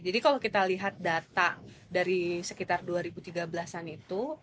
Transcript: kalau kita lihat data dari sekitar dua ribu tiga belas an itu